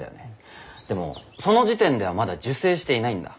でもその時点ではまだ受精していないんだ。